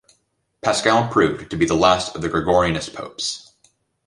Paschal proved to be the last of the Gregorianist popes.